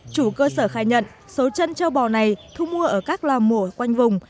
chủ cơ sở khai nhận số chân trâu bò này thu mua ở các loa mổ quanh vùng